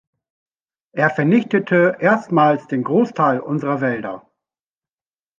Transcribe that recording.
Er vernichtete erstmals den Großteil unserer Wälder.